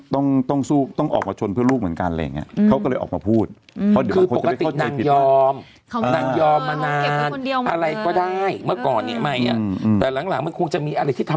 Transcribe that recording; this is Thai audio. ต้องออกมาชนเพื่อนลูกเหมือนกันโลเช่นแหละไง